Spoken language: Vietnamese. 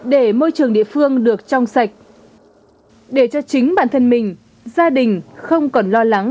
để môi trường địa phương được trong sạch để cho chính bản thân mình gia đình không còn lo lắng